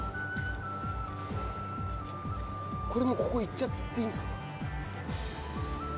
これもここいっちゃっていいんですか？